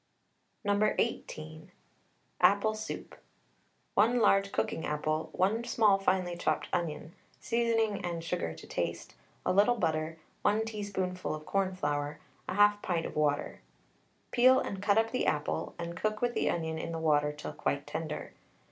No. 18. APPLE SOUP. 1 large cooking apple, 1 small finely chopped onion, seasoning and sugar to taste, a little butter, 1 teaspoonful of cornflour, 1/2 pint of water. Peel and cut up the apple, and cook with the onion in the water till quite tender.